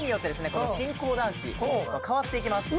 この進行男子代わっていきます。